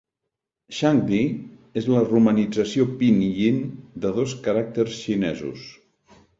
"Shang Di" és la romanització pinyin de dos caràcters xinesos.